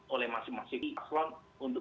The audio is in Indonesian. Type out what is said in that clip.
oleh masing masing paslon untuk